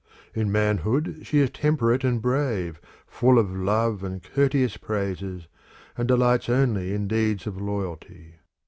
In manhood she is temperate and brave, Full of love and courteous praises, and delights only in deeds of loyalty.